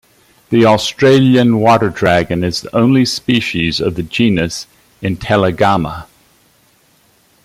The Australian water dragon is the only species of the genus "Intellagama".